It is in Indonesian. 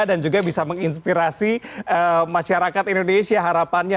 dan juga bisa menginspirasi masyarakat indonesia harapannya